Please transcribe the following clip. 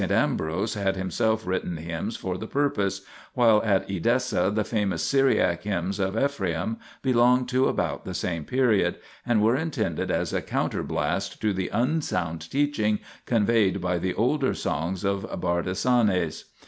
Ambrose had himself written hymns for the purpose, 1 while at Edessa the famous Syriac hymns of Ephraem belong to about the same period, and were intended as a counterblast to the unsound teaching conveyed by the older songs of Bardesanes.